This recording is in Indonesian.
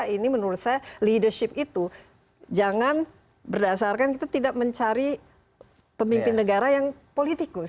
ini menurut saya leadership itu jangan berdasarkan kita tidak mencari pemimpin negara yang politikus